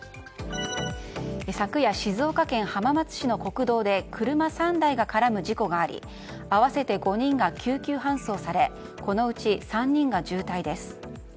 昨夜、静岡県浜松市の国道で車３台が絡む事故があり合わせて５人が救急搬送されこのうち３人が重体です。